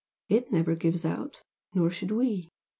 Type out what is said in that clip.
It never gives out, nor should we.